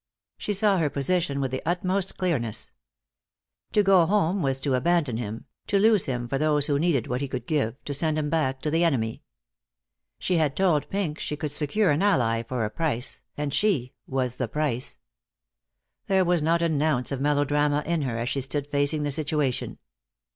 She saw her position with the utmost clearness. To go home was to abandon him, to lose him for those who needed what he could give, to send him back to the enemy. She had told Pink she could secure an ally for a price, and she was the price. There was not an ounce of melodrama in her, as she stood facing the situation.